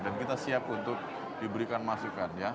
dan kita siap untuk diberikan masukan